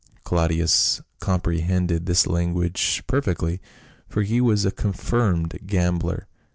Claudius comprehended this language perfectly, for he was a confirmed gambler.